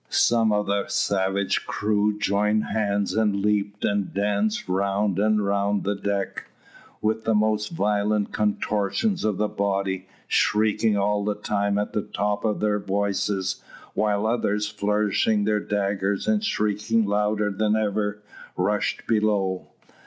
Some of the savage crew joined hands and leaped and danced round and round the deck, with the most violent contortions of the body, shrieking all the time at the top of their voices, while others, flourishing their daggers and shrieking louder than ever, rushed below.